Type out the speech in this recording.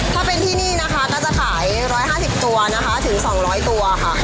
ถ้าเป็นที่นี่นะคะก็จะขายร้อยห้าสิบตัวนะคะถึงสองร้อยตัวค่ะ